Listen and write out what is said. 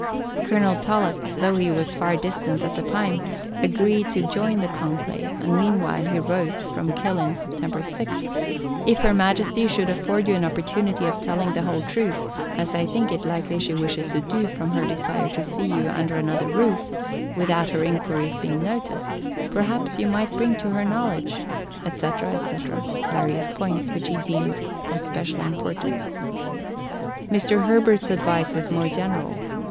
Colonel Tulloch, though he was far distant at the time, agreed to join the conclave, and, meanwhile, he wrote (from Killin, Sept. 6): "If H.M. should afford you an opportunity of telling the whole truth, as I think it likely she wishes to do from her desire to see you under another roof, without her enquiries being noticed, perhaps you might bring to her knowledge," etc., etc. [various points which he deemed of special importance]. Mr. Herbert's advice was more general.